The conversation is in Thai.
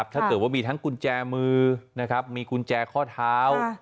ถ้าเกิดว่ามีทั้งกุญแจมือมีกุญแจข้อเท้า